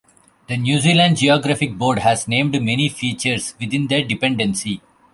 The New Zealand Geographic Board has named many features within the Dependency.